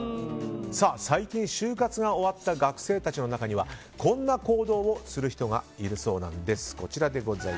最近、就活が終わった学生たちの中にはこんな行動をする人がいるそうなんです。